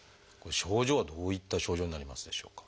症状はどういった症状になりますでしょうか？